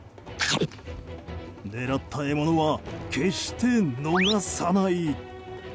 狙った獲物は決して逃さない！